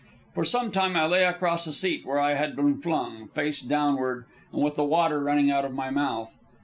For some time I lay across a seat where I had been flung, face downward, and with the water running out of my mouth.